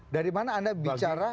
dari mana anda bicara